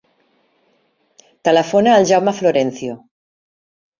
Telefona al Jaume Florencio.